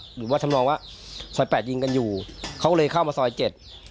หรือว่าทำนองว่าซอยแปดยิงกันอยู่เขาก็เลยเข้ามาซอยเจ็ด